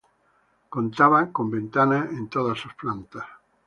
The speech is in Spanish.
Contaba con ventanas en todas sus plantas.